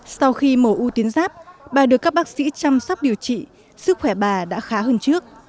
sau khi mổ u tuyến giáp bà được các bác sĩ chăm sóc điều trị sức khỏe bà đã khá hơn trước